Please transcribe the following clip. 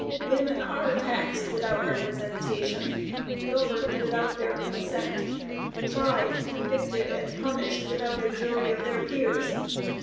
Women are taxed without representation, governed without their consent, tried, convicted and punished without a jury of their peers.